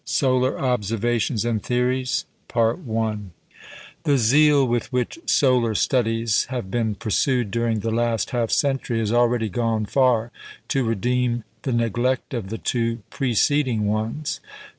] CHAPTER II SOLAR OBSERVATIONS AND THEORIES The zeal with which solar studies have been pursued during the last half century has already gone far to redeem the neglect of the two preceding ones.